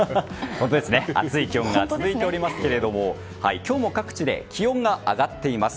本当ですね暑い気温が続いておりますが今日も各地で気温が上がっています。